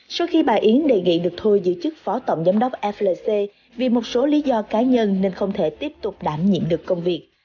sau khi bà yến đề nghị được thôi giữ chức phó tổng giám đốc flc vì một số lý do cá nhân nên không thể tiếp tục đảm nhiệm được công việc